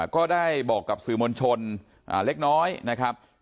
ก็ได้บอกกับสื่อมวลชนเล็กน้อยนะครับ